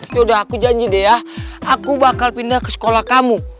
ya udah aku janji deh ya aku bakal pindah ke sekolah kamu